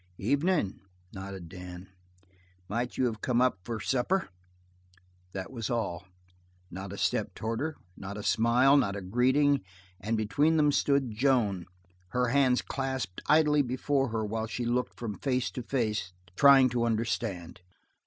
"Evenin'," nodded Dan, "might you have come up for supper?" That was all. Not a step towards her, not a smile, not a greeting, and between them stood Joan, her hands clasped idly before her while she looked from face to face, trying to understand.